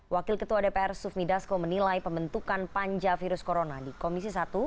wakil ketua dpr sufmi dasko menilai pembentukan panja virus corona di komisi satu